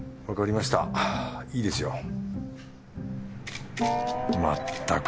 よしいいですよ。